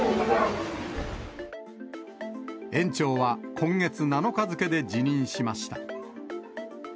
園長は今月７日付で辞任しました。